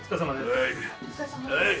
はい。